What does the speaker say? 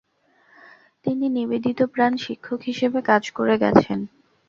তিনি নিবেদিতপ্রাণ শিক্ষক হিসেবে কাজ করে গেছেন।